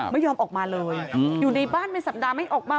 ไม่ยอมออกมาเลยอยู่ในบ้านเป็นสัปดาห์ไม่ออกมา